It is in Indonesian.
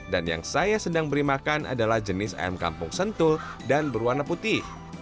dan yang saya sedang beri makan adalah jenis ayam kampung sentul dan berwarna putih